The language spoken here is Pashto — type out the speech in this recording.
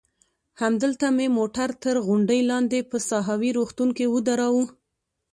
همدلته مې موټر تر غونډۍ لاندې په ساحوي روغتون کې ودراوه.